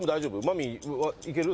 マミィはいける？